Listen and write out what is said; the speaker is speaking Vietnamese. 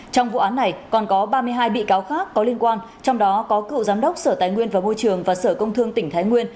trong vụ án này còn có ba mươi hai bị cáo khác có liên quan trong đó có cựu giám đốc sở tài nguyên và môi trường và sở công thương tỉnh thái nguyên